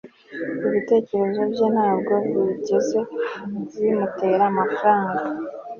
ibitekerezo bye ntabwo byigeze bimutera amafaranga